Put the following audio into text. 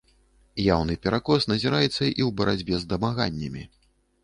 Яўны перакос назіраецца і ў барацьбе з дамаганнямі.